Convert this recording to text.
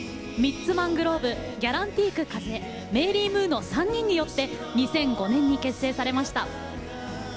マングローブギャランティーク和恵メイリー・ムーの３人によって２００５年に結成されました。